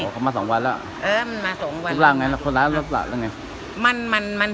เข้ามา๒วันแล้วทุกวันไงค้นร้ายรถละมันไง